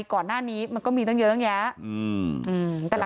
ก่อนหน้านี้มันก็มีต้องเยอะอย่างเย้า